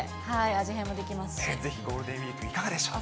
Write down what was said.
ぜひゴールデンウィーク、いかがでしょうか。